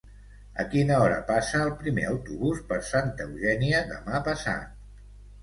A quina hora passa el primer autobús per Santa Eugènia demà passat?